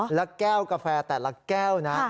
แล้วแก้วกาแฟแต่ละแก้วนะ